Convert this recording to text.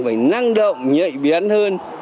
phải năng động nhạy biến hơn